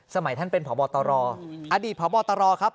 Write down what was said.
สมัยท่านเป็นผอมอตรอดีตผอมอตรครับ